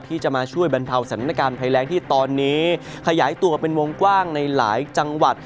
ที่จะมาช่วยบรรเทาสถานการณ์ภัยแรงที่ตอนนี้ขยายตัวเป็นวงกว้างในหลายจังหวัด